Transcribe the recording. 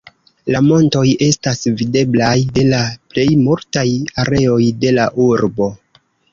La montoj estas videblaj de la plej multaj areoj de la urbo.